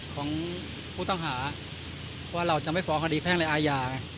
ของผู้ต้องหาว่าเราจะไม่ฟ้องคดีแพ่งในอาญา